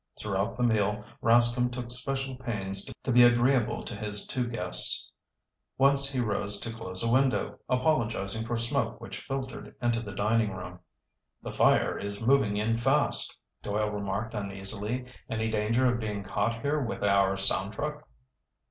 Throughout the meal, Rascomb took special pains to be agreeable to his two guests. Once he arose to close a window, apologizing for smoke which filtered into the dining room. "The fire is moving in fast," Doyle remarked uneasily. "Any danger of being caught here with our sound truck?"